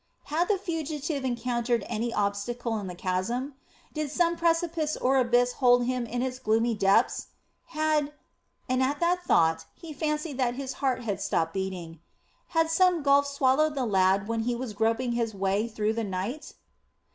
Had the fugitive encountered any obstacle in the chasm? Did some precipice or abyss hold him in its gloomy depths? Had and at the thought he fancied that his heart had stopped beating Had some gulf swallowed the lad when he was groping his way through the night?